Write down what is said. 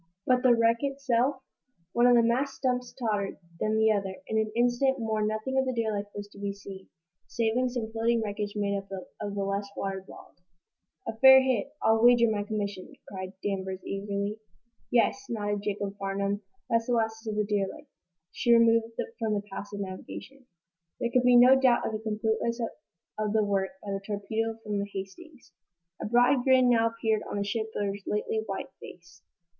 But the wreck itself? One of the mast stumps tottered, then the other. In an instant more nothing of the derelict was to be seen, saving some floating wreckage made up of less water logged wood. "A fair hit, I'll wager my commission!" cried Danvers, eagerly. "Yes," nodded Jacob Farnum. "That's the last of the derelict. She's removed from the paths of navigation." There could be no doubt of the completeness of the work done by the torpedo from the "Hastings." A broad grin now appeared on the shipbuilder's lately white face.